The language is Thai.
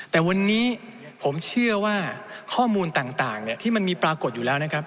แต่วันนี้ผมเชื่อว่าข้อมูลต่างที่มันมีปรากฏอยู่แล้วนะครับ